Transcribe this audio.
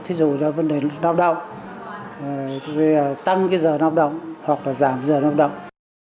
thí dụ là vấn đề nông động tăng cái giờ nông động hoặc là giảm giờ nông động